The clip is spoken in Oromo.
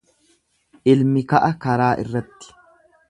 Ilmi ka'a karaa irratti.